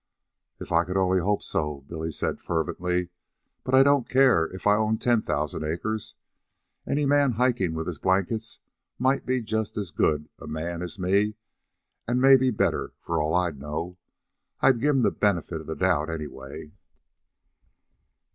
"If I could only hope so," Billy said fervently. "But I don't care if I owned ten thousand acres, any man hikin' with his blankets might be just as good a man as me, an' maybe better, for all I'd know. I'd give 'm the benefit of the doubt, anyway."